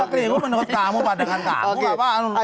keliru menurut kamu